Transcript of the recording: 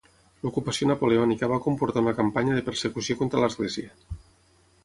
L'Ocupació Napoleònica va comportar una campanya de persecució contra l'església.